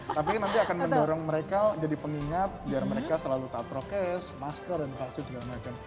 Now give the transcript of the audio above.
tapi nanti akan mendorong mereka jadi pengingat biar mereka selalu taat prokes masker dan vaksin segala macam